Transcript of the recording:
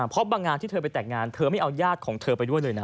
เพราะบางงานที่เธอไปแต่งงานเธอไม่เอาญาติของเธอไปด้วยเลยนะ